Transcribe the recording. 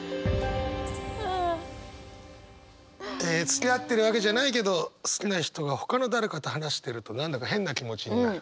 つきあってるわけじゃないけど好きな人がほかの誰かと話してると何だか変な気持ちになる。